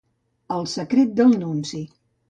El secret del nunci.